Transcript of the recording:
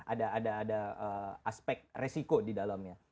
ada aspek resiko di dalamnya